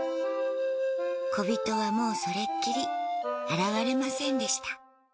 こびとはもうそれっきり現れませんでした。